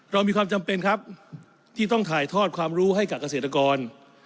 เรามีความจำเป็นครับที่ต้องถ่ายทอดความรู้ให้กับเกษตรกร